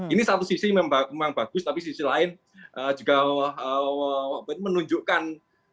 ini satu sisi memang bagus tapi sisi lain juga menunjukkan